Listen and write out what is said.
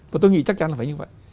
và tôi nghĩ chắc chắn là phải như vậy